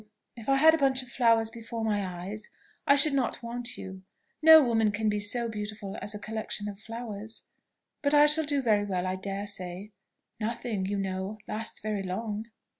If I had a bunch of flowers before my eyes, I should not want you: no woman can be so beautiful as a collection of flowers. But I shall do very well, I dare say. Nothing, you know, lasts very long."